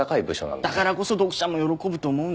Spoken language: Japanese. だからこそ読者も喜ぶと思うんです。